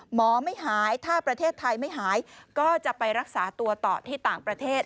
หมอไม่หายถ้าประเทศไทยไม่หายก็จะไปรักษาตัวต่อที่ต่างประเทศ